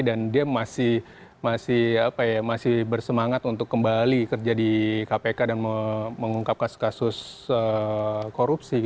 dan dia masih bersemangat untuk kembali kerja di kpk dan mengungkapkan kasus korupsi